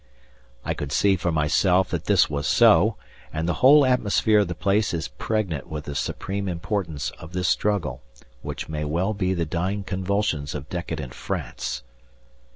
I could see for myself that this was so, and the whole atmosphere of the place is pregnant with the supreme importance of this struggle, which may well be the dying convulsions of decadent France.